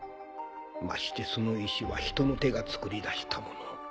ましてその石は人の手が作り出したもの。